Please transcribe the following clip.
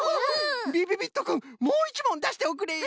びびびっとくんもう１もんだしておくれよ。